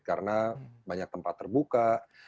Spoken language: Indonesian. karena banyak tempat terbuka